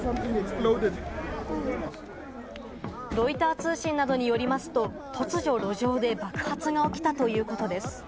ロイター通信などによりますと、突如、路上で爆発が起きたということです。